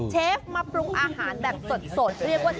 เชฟมาปรุงอาหารแบบสด